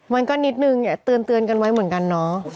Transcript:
มันก็นิดนึงอย่าเตือนกันไว้เหมือนกันเนาะ